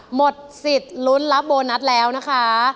หมดสิทธิ์ลุ้นรับโบนัสแล้วนะคะ